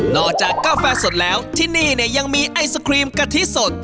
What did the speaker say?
จากกาแฟสดแล้วที่นี่เนี่ยยังมีไอศครีมกะทิสด